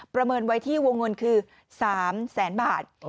ประเมินไว้ที่วงเงินคือ๓แสนบาท